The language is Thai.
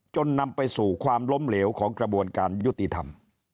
นำไปสู่ความล้มเหลวของกระบวนการยุติธรรม